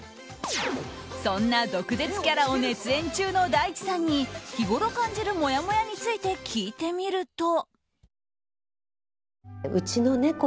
そんな毒舌キャラを熱演中の大地さんに日ごろ感じるもやもやについて聞いてみると。